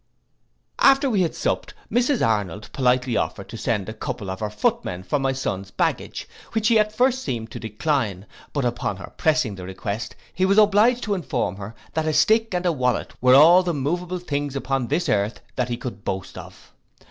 After we had supped, Mrs Arnold politely offered to send a couple of her footmen for my son's baggage, which he at first seemed to decline; but upon her pressing the request, he was obliged to inform her, that a stick and a wallet were all the moveable things upon this earth that he could boast of.